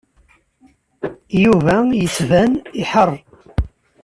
Yuba yettban iḥar.